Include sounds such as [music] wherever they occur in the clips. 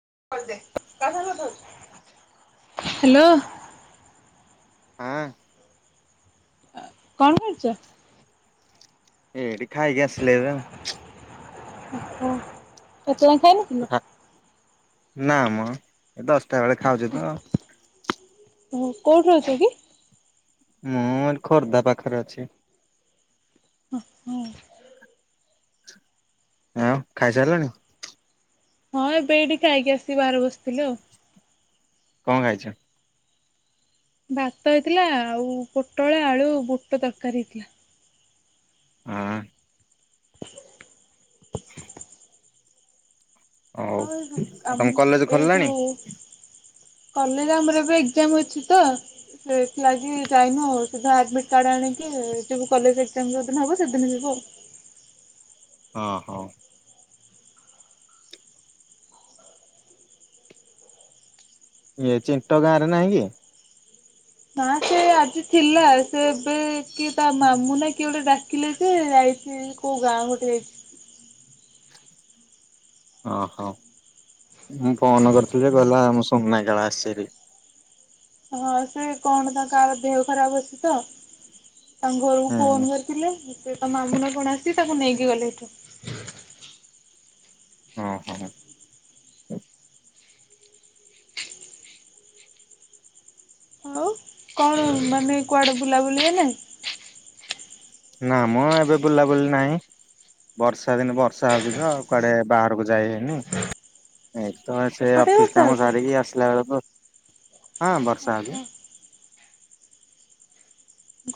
Hello. ଅଁ, ଅ, କଣ କରୁଚ? ଏ ଏଠି ଖାଇକି ଆସିଲେ ଏବେ। ଓହୋ, ଏତେ ଯାଏଁ ଖାଇ ନଥିଲ? ନା ମ। ଏ ଦଶଟା ବେଳେ ଖାଉଚି ତ। ଓ କୋଉଠି ଅଛ କି? ମୁଁ ଏଇଠି ଖୋର୍ଦ୍ଧା ପାଖରେ ଅଛି। ହଁ, ହୋ। ଆଁଉ ଖାଇସାରିଲଣି? ହଁ ଏବେ ଏଇଠି ଖାଇକି ଆସି ବାହାରେ ବସିଥିଲି ଆଉ। କଣ ଖାଇଛ? ଭାତ ହେଇଥିଲା ଆଉ ପୋଟଳ ଆଳୁ ବୁଟ ତରକାରୀ ହେଇଥିଲା। ହଁ। ହଉ ଆଉ ଏଇ ଯଉ ଆ ଆଉ ତମ କଲେଜ ଏଇ ଖୋଲିଲାଣି? ଯୋଉ କଲେଜ ଆମର ଏବେ ଏଗ୍ଜାମ ଅଛି ତ ସେଥିଲାଗି ଯାଇନୁ ଆଉ ଆଡମିଟ କାର୍ଡ ଆଣିକି ଯିବୁ କଲେଜ ଏଗଜାମ୍ ଯଉଦିନ ହବ ସେଦିନ ଯିବୁ ଆଉ ହଁ ହଁ। ଇଏ ଚିଣ୍ଟ ଗାଁ ରେ ନାହିଁ କି? ନା ସେ ଆଜି ଥିଲା ସେ ଏବେ କି ତା ମାମୁନା କିଏ ଗୋଟେ ଡାକିଲେ ଯେ ଯାଇଛି କୋଉ ଗାଁ ଗୋଟେ ଯାଇଛି। ହ ହୋ ମୁଁ ଫୋନ କରିଥିଲି ଯେ କହିଲା ସମସ୍ତ ନାଇ ଜଳ ଆସିଭାରି ହଁ ସେ କଣ ତାଙ୍କ ଦେହ ଖରାପ ଅଛି ତ ତାଙ୍କ ଘରକୁ ହୁଁ ଫୋନ କରିଥିଲେ। ସେଟ ମାମୁ ନା କଣ ଆସି ତାକୁ ନେଇକି ଗଲେ ଏଠୁ ହଁ ହଁ। ଆଉ କଣ ମାନେ କୁଆଡେ ବୁଲାବୁଲି ହେଲେ ନା ମୁଁ ଏବେ ବୁଲାବୁଲି ନାହିଁ ବର୍ଷା ଦିନେ ବର୍ଷା ହଉଛି ତ କୁଆଡେ ବାହାରକୁ ଯାଇ ହେଇନି ଏ ତ ସେ ସେପଟେ ଅଫିସ ବର୍ଷା କାମ ହଉଛି ସାରିକି ଆସିଲା ବେଳକୁ ହଁ ବର୍ଷା ଆଗୁ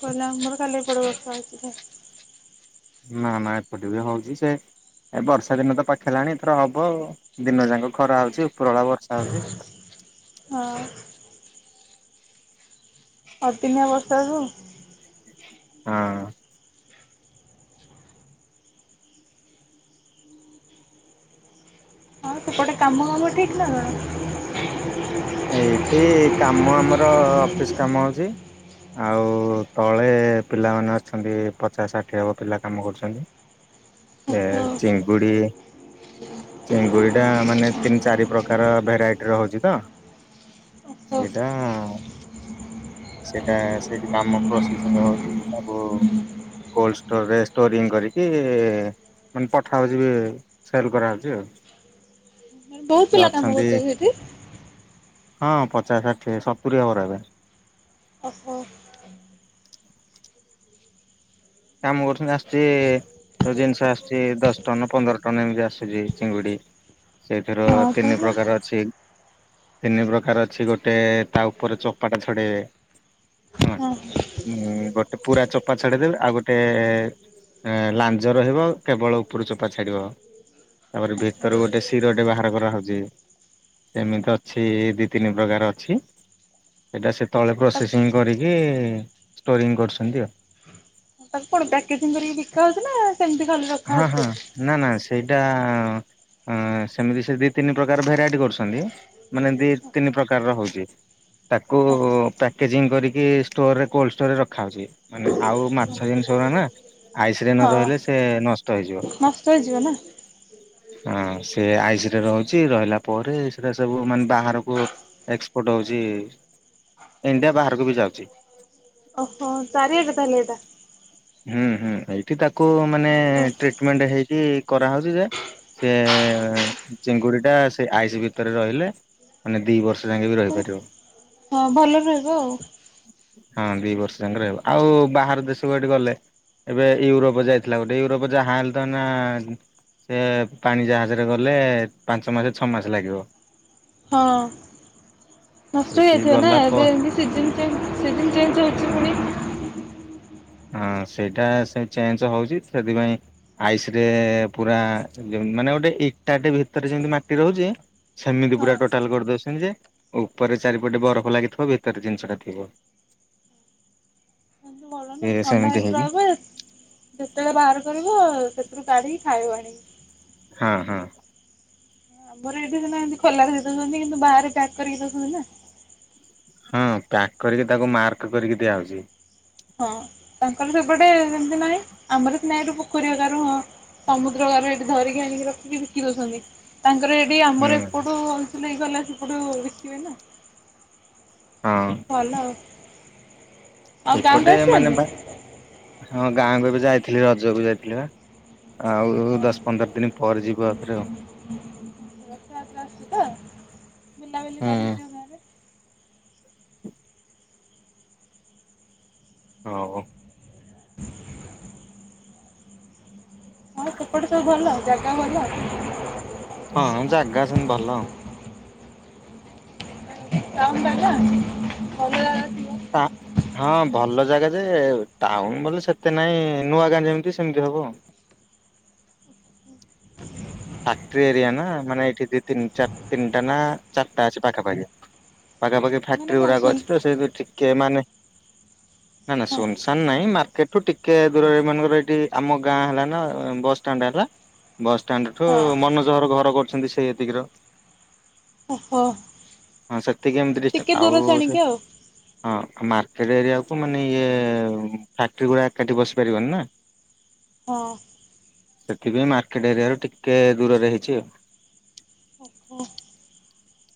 କହିଲା ମୋର କାଲି ଏପଡେ ବର୍ଷ ଅଛି ନା ନା ଏପଟେ ବି ହଉଛି ସେ ଏ ବର୍ଷା ଦିନ ତ ପାଖେଇ ହେଲାଣି ଏଥର ହବ ଦିନ ଯାକ ଖରା ହଉଛି ଉପରଳା ବର୍ଷା ହଉଛି। ହଁ। ଅଦିନ ବର୍ଷା କୁ ହଁ। ହଁ ସେପଟେ କାମ କାମ ଠିକ୍ ନଣ? ଏଇଠି କାମ ଆମର ଅଫିସ କାମ ହଉଛି ଆଉ ତଳେ ପିଲାମାନେ ଅଛନ୍ତି ପଚାଶ ଷାଠିଏ ହେବ ପିଲା କାମ କରୁଛନ୍ତି ଏ ଓହୋ ଚିଙ୍ଗୁଡ଼ି ଚିଙ୍ଗୁଡ଼ିଟା ମାନେ ତିନି ଚାରି ପ୍ରକାର ଭେରାଇଟିର ହଉଛି ତ ଓହୋ ସେଇଟା ସେଟା ସେଇଠି କାମ ପ୍ରୋସେସିଂ ହଉଛି ତାକୁ କୋଲଡଷ୍ଟୋରରେ ଷ୍ଟୋରିଂ କରିକି ମାନେ ପଠାହଉଛି ବି ସେଲ କରାହେଉଛି ଆଉ। କହୁଥିଲା କାମ ଅଛନ୍ତି କରୁଛନ୍ତି ସେଇଠି ହଁ ପଚାଶ ଷାଠିଏ ସତୁରି ହେବର ଏବେ ଓହୋ କାମ କରୁଛନ୍ତି ଆସୁଛି ଯୋଉ ଜିନିଷ ଆସୁଛି ଦଶ ଟନ ପନ୍ଦର ଟନ ଏମିତି ଆସୁଛି ଚିଙ୍ଗୁଡି ସେଇଥିର ହଁ ତିନି ତାହେଲେ ପ୍ରକାର ଅଛି। ତିନି ପ୍ରକାର ଅଛି ଗୋଟେ ତା ଉପରେ ଚପାଟା ଛଡେଇବେ ହଁ ଗୋଟେ ପୁରା ଚପା ଛଡେଇଦବେ ଆଉ ଗୋଟେ ଗୋଟେ ଲାଞ୍ଜ ରହିବ କେବଳ ଉପରୁ ଚୋପା ଛାଡ଼ିବ ତାପରେ ଭିତରୁ ଗୋଟେ ଶିରଟେ ବାହାର କରାହେଉଛି ସେମିତି ଅଛି ଦୁଇ ତିନି ପ୍ରକାର ଅଛି ସେଇଟା ସେ ତଳେ ପ୍ରୋସେସିଂ କରିକି ଷ୍ଟୋରିଂ କରୁଛନ୍ତି ଆଉ। ତାକୁ କଣ ପ୍ୟାକେଜିଂ କରିକି ଦେଖା ହଉଛି ନା ସେମିତି ଖାଲି ହଁ ହଁ ରଖାହଉଛି? ନା ନା ସେଇଟା ସେମିତି ସେ ଦୁଇ ତିନି ପ୍ରକାର ଭେରାଇଟି କରୁଛନ୍ତି ମାନେ ଦୁଇ ତିନି ପ୍ରକାରର ହେଉଛି ତାକୁ ପ୍ୟାକେଜିଂ କରିକି ଷ୍ଟୋରରେ କୋଲ୍ଡ ଷ୍ଟୋରରେ ରଖାହେଉଛି ମାନେ ଆଉ ଛା ଜିନିଷରା ନା ଆଇସ ରେ ନ ହଁ ରହିଲେ ସେ ନଷ୍ଟ ହେଇଯିବ। ନଷ୍ଟ ହେଇଯିବ ନା ହଁ ସେ ଆଇସରେ ରହୁଛି ରହିଲା ପରେ ସେଟା ସବୁ ମାନେ ବାହାରକୁ ଏକ୍ସପୋର୍ଟ ହେଉଛି ଇଣ୍ଡିଆ ବାହାରକୁ ବି ଯାଉଛି। ହ ଚାରି ହଜାର ତାହେଲେ ଏଇଟା। ହୁଁ ହୁଁ ଏଇଠି ତାକୁ ମାନେ ଆଉ ହଁ ଟ୍ରିଟମେଣ୍ଟ ହେଇକି କରାହେଉଛି ଯେ ସେ ଚିଙ୍ଗୁଡ଼ିଟା ସେ ଆଇସ୍ ଭିତରେ ରହିଲେ ମାନେ ଦି ବର୍ଷ ଯାକେ ବି ରହିପାରିବ। ହଁ ଭଲ ରହିବ ଆଉ। ହଁ ଦି ବର୍ଷ ଯାଙ୍କେ ରହିବ ଆଉ ବାହାର ଦେଶକୁ ଏଠି ଗଲେ ଏବେ ୟୁରୋପ ଯାଇଥିଲା ଗୋଟେ ୟୁରୋପ ଯାହା ହେଲେ ତ ନା ସେ ପାଣି ଜାହାଜରେ ଗଲେ ପାଞ୍ଚ ମାସେ ଛଅ ମାସେ ଲାଗିବ। ହଁ ନଷ୍ଟ ସେଇଠି ହେଯାଇଥିବ ନା ଗଲା ପ ଏବେ ଏମିତି ସି ସିଜନ ଚେଞ୍ଜ ହେଉଛି ପୁଣି। ହଁ ସେଇଟା ସେ ଚେଞ୍ଜ ହଉଛି ସେଥିପାଇଁ ଆଇସ ରେ ପୁରା ମାନେ ଗୋଟେ ଏଇଟାଟେ ଭିତରେ ଯେମତି ମାଟି ରହୁଛି ସେମିତି ହଁ। ପୁରା ଟୋଟାଲ କରିଦଉଛନ୍ତି ଯେ ଉପରେ ଚାରିପଟେ ବରଫ ଲାଗିଥିବ ଭିତରେ ଜିନିଷଟା ଥିବ। ଏମିତି ଭଲ ସେ ଥଣ୍ଡା ସେମିତି ହେଇକି ରହିବ ଯେତେବେଳେ ବାହାର କରିବ ଆଉ ସେତେ ତାଡ଼ିକି ଖାଇବ ଆଣିକି। ହଁ ହଁ। ଆମର ଏଇଠି ସିନା ଏମତି ଖୋଲାରେ ଦେଇ ଦଉଛନ୍ତି କିନ୍ତୁ ବାହାରେ ପ୍ୟାକ୍ କରିକି ଦଉଛନ୍ତି ନା। ହଁ ପ୍ୟାକ୍ କରିକି ତାକୁ ମାର୍କ କରିକି ଦିଆହଉଛି। ହଁ ତାଙ୍କର ସେପଟେ ଏମତି ନାହିଁ ଆମର ତ ନାଇଁ ଏଠୁ ପୋଖରୀ ହେକାରୁ ସମୁଦ୍ର ହେକାରୁ ଏଠି ଧରିକି ଆଣିକି ରଖିକି ବିକି ଦଉଛନ୍ତି ତାଙ୍କର ଠି ଆମର ହୁଁ। ଏପଟୁ ଅୁ ହେଇଗଲା ସେପଟୁ ଦେଖିବେ ନା ହଁ ଭଲ ଆଉ। ଆଉ ଗାଁକୁ ଏପଟେ ମାନେ ଆସିଛନ୍ତି? ବା ହଁ ଗାଁକୁ ଏବେ ଯାଇଥିଲି ରଜକୁ ଯାଇଥିଲି ବା। ଆଉ ଦଶ ପନ୍ଦର ଦିନ ପରେ ଯିବୁ ଓହୋ ଆଉଥରେ ଆସ ଆସଛୁ ତ- ବୁଲା ବୁଲି ଆଉ। କରିଛ ଘରେ ହଉ। [inaudible] ହଁ ସେପଟେ ସବୁ ଭଲ ଜାଗା ବଢିଆ? ହଁ ଜାଗା ସେମିତି ଭଲ [unintelligible] ହଁ ଭଲ ଜାଗା ଯେ ଟାଉନ ବୋଲେ ସେତେ ନାହିଁ ନୂଆଗାଁ ଯେମିତି ସେମିତି ହବ ଆଉ। ଫାକ୍ଟ୍ରି ଏରିଆ ନା ମାନେ ଏଇଠି ଦି ତିନିଟା ନା ଚାରିଟା ଅଛି ପାଖା ପାଖି ପାଖାପାଖି ମାନେ ଫ୍ୟାକ୍ଟ୍ରି କଣ ଗୁଡାକ ଶୁନ୍ ଅଛି ତ ସେ କେ ମାନେ ନା ନା ହଁ ଶୁନଶାନ୍ ନାହିଁ ମାତ୍ ସେଠୁ ଟିକେ ଦୂର ଏ ମାନଙ୍କର ଏଠି ଆମ ଗାଁ ହେଲା ନା ବସଷ୍ଟାଣ୍ଡ ହେଲା ବସଷ୍ଟାଣ୍ଡ ଠୁ ହଁ ମନୋଜ ହର ଘର ପର୍ଯ୍ୟନ୍ତ। ଅଛନ୍ତି ସେଇ ଏତିକି ର ଓହୋ। ହଁ ସେ ଏତିକି ଏମିତି ଟିକେ ଡିଷ୍ଟାନ୍ସ ଆଉ ଦୂର ସେ ଛାଣିକି ଆଉ ହଁ। ଆଉ ମାର୍କେଟ ଏରିଆକୁ ମାନେ ଇଏ ଫ୍ୟାକ୍ଟ୍ରି ଗୁଡ଼ା ଏକାଠି ବସିପାରିବନି ନା ହଁ। ସେଥିପାଇଁ ମାର୍କେଟ ଏରିଆରୁ ଟିକ କେ ଦୂରରେ ହେଇଛି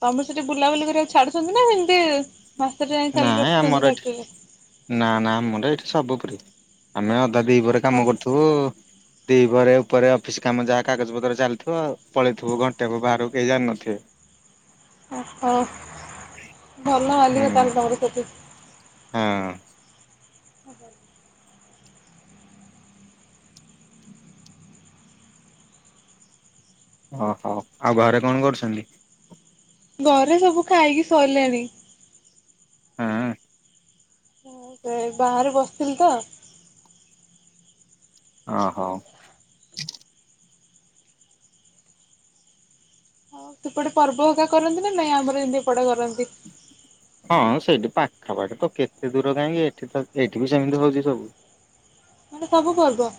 ତମେ ସେଠି ବୁଲାବୁଲି କରିବାକୁ ଛାଡୁଛନ୍ତି ନା ସେମତି ନାଇ ଆମର ଏଠି ନା ନା ଆମର ଏଇଠି ସବୁ ଉପରେ ଆମେ ଦାଦିପ ଓହୋ କାମ କରୁଥିବୁ ଦି ପରେ ଉପରେ ଅଫିସ କାମ ଯାହା କାଗଜପତ୍ର ଚାଲିଥିବ ପଳେଇଥିବୁ ଘଣ୍ଟେ ବାହାରକୁ କେହି ଜାଣିିନଥିବେ ଓହଁ ଭଲ ବାଲିବ ହୁଁ ତାର ପାର ସେ ଠ। ହଁ ଓହୋ ଆଉ ବାହାରେ କଣ କରୁଛନ୍ତି? ଘରେ ସବୁ ଖାଇକି ଶୋଇଲେଣି। ହଁ। ସେ ବାହାରେ ବସିଥିଲି ତ ଓହୋ। ହଉ ସେପଟେ ପର୍ବ ହେକା କରନ୍ତି ନା ନାଇଁ ଆମର ଯେମିତି ଏପଟେ କରନ୍ତି। ହଁ ସେଇଠି ପାଖାପାଖି ତ କେତେ ଦୂର କାହିଁକି ଏଠି ତ ଏଇଠି ବି ସେମିତି ହଉଛି ସବୁ। ମାନେ ସବୁ ପର୍ବ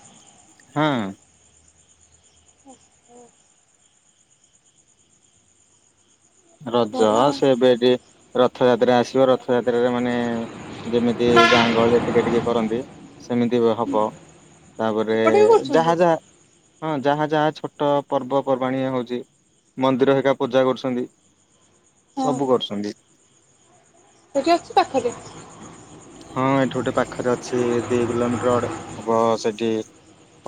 ହଁ ରଜ ଭଲ ଆଉ ସେବେ ଟିକେ ରଥଯାତ୍ରା ଆସିବ ରଥଯାତ୍ରାରେ ମାନେ ଯେମିତି ଗାଁ ଗହଳି ଟିକେ ଟିକେ କରନ୍ତି ସେମିତି ହବ । ତାପରେ ସେପଟେ ବି କରୁଛନ୍ତି? ଯାହା ଯାହା ହଁ ଯାହା ଯାହା ଛୋଟ ପର୍ବ ପର୍ବାଣି ହଉଛି ମନ୍ଦିର ହେକା ପୂଜା କରୁଛନ୍ତି । ହଁ ସବୁ କରୁଛନ୍ତି । ସେଠି ଅଛି ପାଖରେ । ହଁ ଏଇଠି ଗୋଟେ ପାଖରେ ଅଛି ଦି କିଲୋମିଟରେ ହବ ସେଇଠି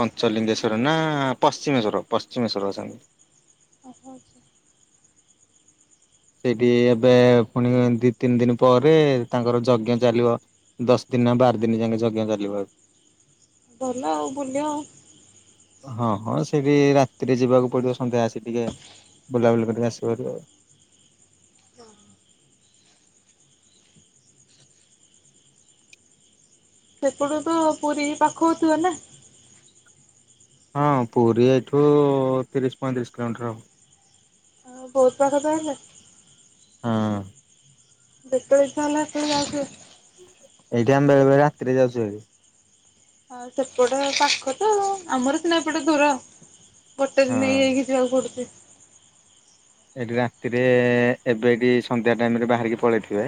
ପଞ୍ଚଲିଙ୍ଗେଶ୍ଵର ନା ପଶ୍ଚିମେଶ୍ଵର ପଶ୍ଚିମେଶ୍ଵର ଅଛନ୍ତି। ଓହୋ ସେଇଠି ଏବେ ପୁଣି ଦି ତିନି ଦିନ ପରେ ତାଙ୍କର ଯଜ୍ଞ ଚାଲିବ ଦଶ ଦିନ ନା ବାର ଦିନ ଯାକେ ଯଜ୍ଞ ଚାଲିବ। ଭଲ ଆଉ ବୁଲ ଆଉ। ହଁ ହଁ ସେଇଠି ରାତିରେ ଯିବାକୁ ପଡିବ ସନ୍ଧ୍ୟା ଆସି ଟିକେ ବୁଲାବୁଲି କରିକି ଆସି ପାରିବ। ସେପଟୁ ତ ପୁରୀ ପାଖକୁ ଥିବ ନା । ହଁ ପୁରୀ ଏଇଠୁ ତିରିଶ ପଇଁତିରିଶ କିଲୋମିଟର ହବ। ଆଉ ବହୁତ ପାଖ ତାହେଲେ। ହଁ। ଯେତେବେଳେ ଇଚ୍ଛା ହେଲା ସେତେବେଳେ ଯାଉଥିବ। ଏଇଠି ଆମେ ବେଳେବେଳେ ରାତିରେ ଯାଉଛୁ ହାରି। ଆଉ ସେପଟ ପାଖ ତ ଆମର ସିନା ଏପଟେ ଦୂର। ହୋଟେଲ ହଁ ନେଇଯାଇକି ଯିବାକୁ ପଡୁଛି। ଏଠି ରାତିରେ ଏବେ ଏଠି ସନ୍ଧ୍ୟା ଟାଇମ ରେ ବାହାରିକି ପଳେଇଥିବେ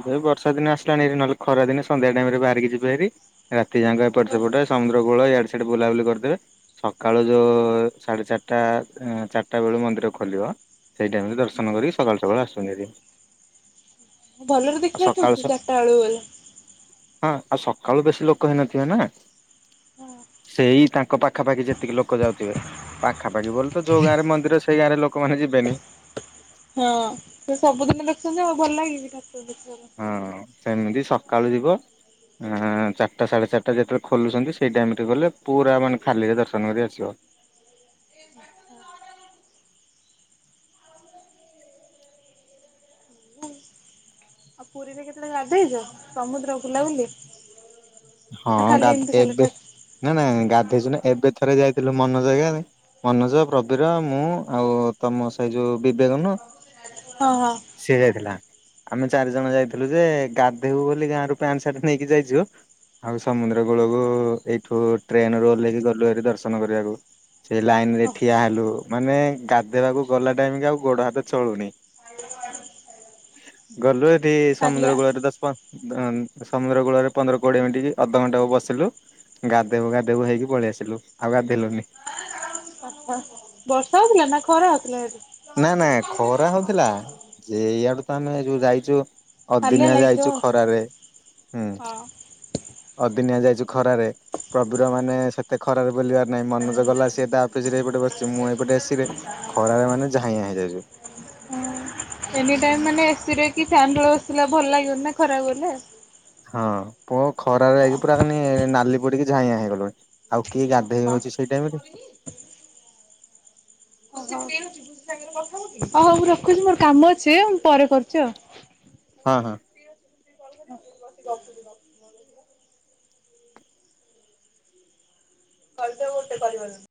ଏବେ ବର୍ଷା ଦିନ ଆସିଲାଣି ହେରି ନହେଲେ ଖରାଦିନେ ସନ୍ଧ୍ୟା ଟାଇମ ରେ ବାହାରିକି ଯିବେ ହେରି ରାତି ଯାକ ଏପଟେ ଓ ସେପଟେ ସମୁଦ୍ରକୂଳ ଇଆଡେ ସିଆଡେ ବୁଲାବୁଲି କରିଦେବେ ସକାଳୁ ଯୋଉ ସାଢ଼େ ଚାରିଟା ଚାରିଟା ବେଳୁ ମନ୍ଦିର ଖୋଲିବ ସେଇଟାଇମରେ ଦର୍ଶନ କରିକି ସକାଳୁ ସକାଳୁ ଆସୁଛନ୍ତି ହାରି। ଭଲରେ ଦେଖିବା କହୁଚୁ ଚାରିଟା ବେଳକୁ ଗଲେ ହଁ ଆଉ ସକାଳୁ ବେଶୀ ଲୋକ ହେଇନଥିବେ ନା ସେଇ ତାଙ୍କ ପାଖାପାଖି ଯେତିକି ଲୋକ ଯାଉଥିବେ ପାଖାପାଖି ବୋଲି ତ ଯୋଉ ଗାଁ ରେ ମନ୍ଦିର ସେଇ ଗାଁରେ ଲୋକମାନେ ଯିବେନି। ହଁ ସେ ସବୁଦିନ ଦେଖୁଚନ୍ତି ଆଉ ଭଲ ଲାଗିବ କି ଠା [unintelligible] ହଁ ସେମିତି ସକାଳୁ ଯିବ ଚାରିଟା ସାଢ଼େ ଚାରିଟା ଯେତେବେଳେ ଖୋଲୁଚନ୍ତି ସେଇ ଟାଇମରେ ଗଲେ ପୁରା ମାନେ ଖାଲିରେ ଦର୍ଶନ କରି ଆସିବ। ଆଉ ପୁରୀରେ କେତେବେଳେ ଗାଧେଇଚ ସମୁଦ୍ର ବୁଲା ବୁଲି ହଁ ଗାଧେ ଏବେ ନା ନା ନା ଗାଧେଇଚୁ ନା ଏବେ ଥରେ ଯାଇଥିଲୁ ମନୋଜ ହେରିକା ମନୋଜ ପ୍ରବୀର ମୁଁ ଆଉ ତମ ସେଇ ଯୋଉ ବିବେକ ନୁ ହଁ ହଁ ସିଏ ଯାଇଥିଲା। ଆମେ ଚାରି ଜଣ ଯାଇଥିଲୁ ଯେ ଗାଧେଇବୁ ବୋଲି ଗାଁରୁ ପ୍ୟାଣ୍ଟ ସାର୍ଟ ନେଇକି ଯାଇଚୁ। ଆଉ ସମୁଦ୍ର କୂଳକୁ ଏଇଠୁ ଟ୍ରେନ ରୁ ଓହ୍ଲେଇକି ଗଲୁଭାରି ଦର୍ଶନ କରିବାକୁ ସେଇ ଲାଇନ ରେ ଠିଆ ଓହୋ। ହେଲୁ ମାନେ ଗାଧେଇବାକୁ ଗଲା ଟାଇମ କି ଆଉ ଗୋଡ ହାତ ଚଳୁନି ଗ ସମୁଦ୍ର ହାଲିଆ କୁଳରେ ଦଶ ପ ସମୁଦ୍ର କୂଳରେ ପନ୍ଦର କୋଡିଏ ମିନିଟ କି ଅଧଘଣ୍ଟେ ହବ ବସିଲୁ ଗାଧେଇବୁ ଗାଧେଇବୁ ହେଇକି ପଳେଇ ଆସିଲୁ ଆଉ ଗାଧେଇଲୁନି। ବର୍ଷା ହୋଉଥିଲା ନା ଖରା ହୋଉଥିଲା ହେଠି? ନା ନା ଖରା ହୋଉଥିଲା। ଯେ ଏଇଆଡୁ ତ ଆମେ ଯୋଉ ଯାଇଚୁ। ହାଲିଆ ଅଦିନିଆଁ ଲାଗିଥିବ ଯାଇଚୁ ଖରାରେ ହୁଁ। ହଁ। ଅଦିନିଆ ଯାଇଚୁ ଖରାରେ ପ୍ରବିର ମାନେ ସେତେ ଖରାରେ ବୁଲିବା ନାଇଁ ମନୋଜ ଗଲା ସିଏ ତା ଅଫିସରେ ଏଇପଟେ ବସିଚି ମୁଁ ଏଇପଟେ ଏସିରେ ଖରାରେ ମାନେ [unintelligible] ଏନି ଟାଇମ୍ ମାନେ ଏସି ରେ କି ଫ୍ୟାନ ତଳେ ବସିଲେ ଭଲ ଲାଗିବନ ନା ଖରାକୁ ଗଲେ। ହଁ ପ ଖରାରେ ହଁ ଆଜି ପୁରା ନାଲି ପଡିକି ଝାଇଁଆ ହେଇଗଲୁଣି ଆଉ। କିଏ ଗାଧୋଇ ହଁ ହୋଉଚି ସେଇ ଟାଇମ ରେ ହୋଉ ମୁଁ କରୁଚି ମୋର କାମ ଅଛି ମୁଁ ପରେ କରୁଚି ଆଉ। ହଁ ହଁ। କରିଦେ ଗୋଟେ କରିବନି।